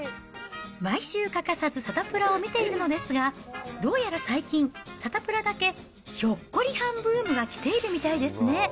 毎週欠かさずサタプラを見ているのですが、どうやら最近、サタプラだけ、ひょっこりはんブームが来ているみたいですね。